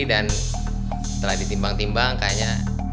dan setelah ditimbang timbang kayaknya